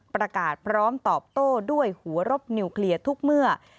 ประกาศพร้อมตอบโต้ด้วยหัวรบนิวเคลียร์ทุกเมื่อ